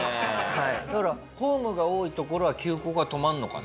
だからホームが多い所は急行が止まるのかな？